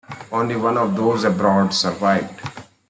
Only one of those aboard survived.